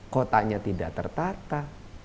kotanya tidak tertata